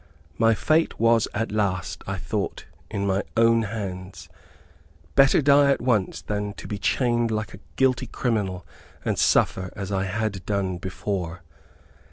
My fate was at last, I thought, in my own hands. Better die at once than to be chained like a guilty criminal, and suffer as I had done before.